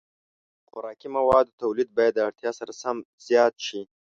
د خوراکي موادو تولید باید د اړتیا سره سم زیات شي.